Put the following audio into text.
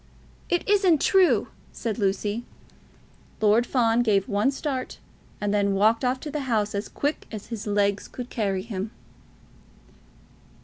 "It isn't true!" said Lucy. Lord Fawn gave one start, and then walked off to the house as quick as his legs could carry him.